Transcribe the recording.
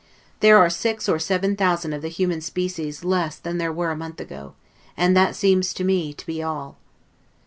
There are six or seven thousand of the human species less than there were a month ago, and that seems to me to be all.